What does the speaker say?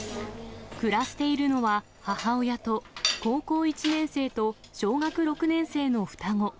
暮らしているのは、母親と高校１年生と小学６年生の双子。